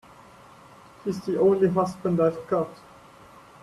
He's the only husband I've got.